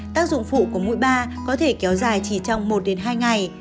tác dụng phụ của mũi ba có thể kéo dài chỉ trong một hai ngày